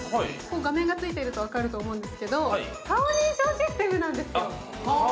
画面がついていると分かると思うんですけど、顔認証システムなんですよ。